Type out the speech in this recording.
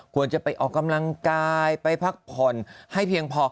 ควรจะไปออกกำลังกายไปพักผ่อนให้เพียงพอ